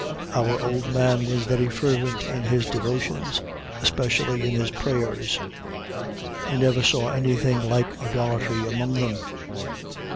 Our old man was very fervent in his devotions, especially in his prayers. I never saw anything like idolatry among them.